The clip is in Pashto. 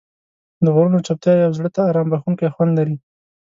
د غرونو چوپتیا یو زړه ته آرام بښونکی خوند لري.